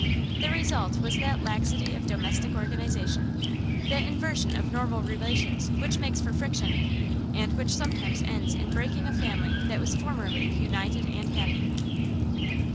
The result was that laxity of domestic organization, that inversion of normal relations which makes for friction, and which sometimes ends in breaking up a family that was formerly united and happy.